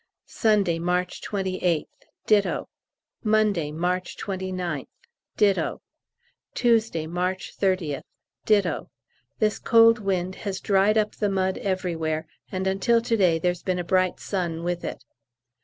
Sunday, March 28th. Ditto. Monday, March 29th. Ditto. Tuesday, March 30th. Ditto. This cold wind has dried up the mud everywhere, and until to day there's been a bright sun with it.